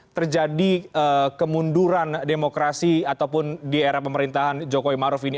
terjadi kemunduran demokrasi ataupun di era pemerintahan jokowi maruf ini